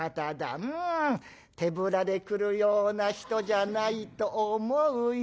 手ぶらで来るような人じゃないと思うよ。